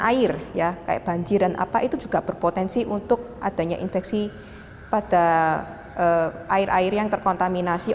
air ya kayak banjir dan apa itu juga berpotensi untuk adanya infeksi pada air air yang terkontaminasi